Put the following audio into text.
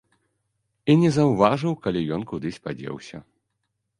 І не заўважыў, калі ён кудысь падзеўся.